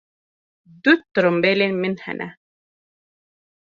Du tirimbêlên min hene.